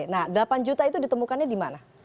nah delapan juta itu ditemukannya di mana